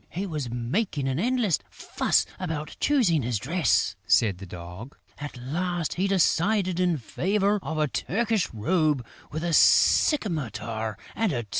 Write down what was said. "He was making an endless fuss about choosing his dress," said the Dog. "At last, he decided in favour of a Turkish robe, with a scimitar and a turban."